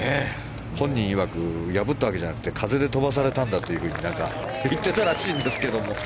本人いわく破ったわけじゃなく風で飛ばされたんだと言ってたらしいんですけども。